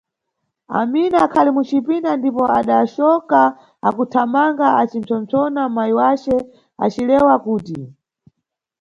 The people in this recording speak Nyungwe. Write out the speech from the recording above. Amina akhali mucipinda, ndipo adacoka akuthamanga acimpsompsona mayi wace acilewa kuti